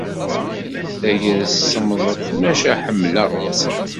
Tagrest semmḍet, maca ḥemmleɣ-tt.